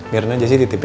mirna aja sih titip ya